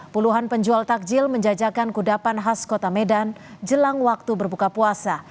puluhan penjual takjil menjajakan kudapan khas kota medan jelang waktu berbuka puasa